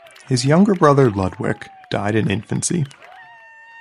His younger brother, Ludwik, died in infancy.